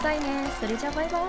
それじゃバイバイ！